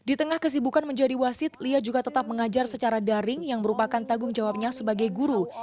di tengah kesibukan menjadi wasit lia juga tetap mengajar secara daring yang merupakan tanggung jawabnya sebagai guru